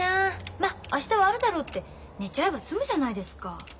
まっ明日はあるだろう」って寝ちゃえば済むじゃないですか。